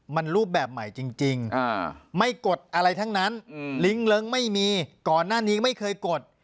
มันรูปแบบใหม่จริงไม่กดอะไรทั้งนั้นลิ้งเลิ้งไม่มีก่อนหน้านี้ไม่เคยกด